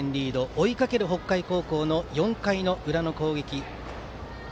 追いかける北海高校の４回の裏の攻撃。